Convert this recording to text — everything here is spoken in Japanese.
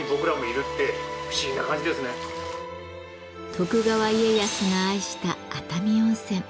徳川家康が愛した熱海温泉。